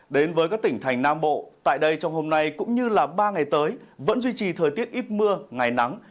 đến với các tỉnh thành nam bộ tại đây trong hôm nay cũng như ba ngày tới vẫn duy trì thời tiết ít mưa ngày nắng